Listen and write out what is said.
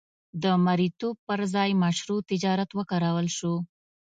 د مریتوب پر ځای مشروع تجارت وکارول شو.